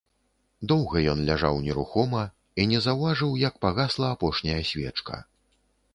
Доўга ён ляжаў нерухома і не заўважыў, як пагасла апошняя свечка.